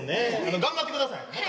あの頑張ってください。